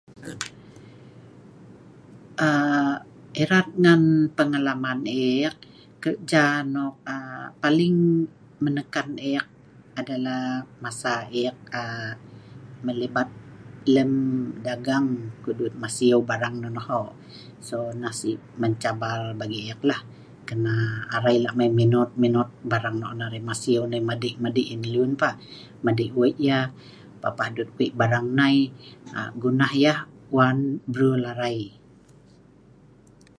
aa erat ngan pengalaman ek kerja nok aaa paling menekan ek adalah masa ek aaa melibat lem dagang kudut masiu barang nonoh hok so nah sik mencabar bagi ek la karna arai lak mei menot menot barang nok an arai masiu madik madik ngan lun pah madik weik yah papah dut weik barang nai gunah yeh wan brul arai